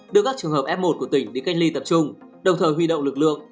đưa các trường hợp f một của tỉnh đi cách ly tập trung đồng thời huy động lực lượng